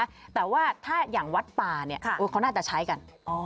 แต่ว่าถ้าอย่างวัดป่าเนี่ยเขาน่าจะใช้กันอ๋อ